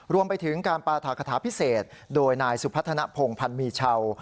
รวมไปถึงการปราธคาถาพิเศษโดยนายสุพัฒนภงพันธ์มีเช่า